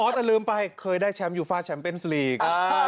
แต่ลืมไปเคยได้แชมป์ยูฟ่าแชมป์เป็นสลีก